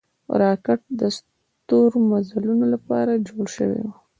راکټ د ستورمزلو له پاره جوړ شوی و